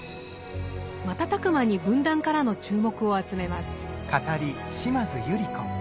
瞬く間に文壇からの注目を集めます。